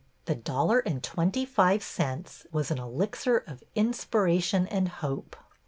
The dollar and twenty five cents was an elixir of inspiration and hope.